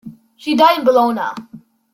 She died in Bologna.